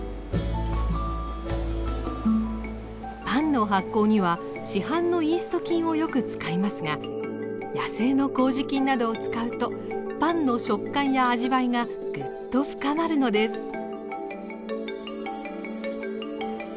パンの発酵には市販のイースト菌をよく使いますが野生の麹菌などを使うとパンの食感や味わいがぐっと深まるのです。